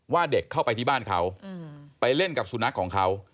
เด็กเข้าไปที่บ้านเขาไปเล่นกับสุนัขของเขา